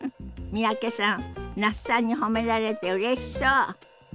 三宅さん那須さんに褒められてうれしそう。